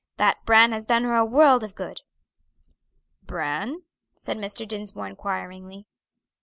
That bran has done her a world of good." "Bran?" said Mr. Dinsmore inquiringly.